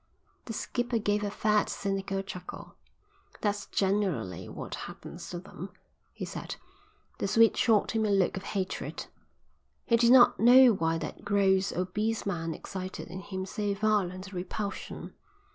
The skipper gave a fat, cynical chuckle. "That's generally what happens to them," he said. The Swede shot him a look of hatred. He did not know why that gross, obese man excited in him so violent a repulsion.